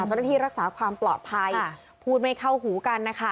เจ้าหน้าที่รักษาความปลอดภัยพูดไม่เข้าหูกันนะคะ